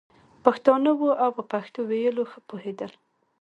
پښتانه وو او په پښتو ویلو ښه پوهېدل.